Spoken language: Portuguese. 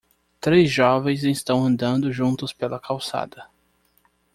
Três jovens estão andando juntos pela calçada.